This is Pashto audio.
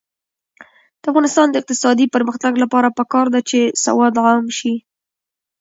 د افغانستان د اقتصادي پرمختګ لپاره پکار ده چې سواد عام شي.